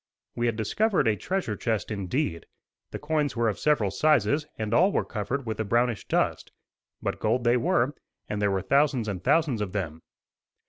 We had discovered a treasure chest, indeed. The coins were of several sizes, and all were covered with a brownish dust. But gold they were, and there were thousands and thousands of them.